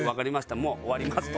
もう終わります」と。